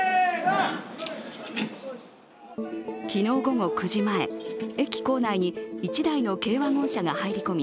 昨日午後９時前、駅構内に一台の軽ワゴン車が入り込み